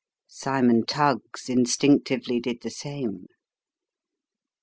Cymon Tuggs instinctively did the same.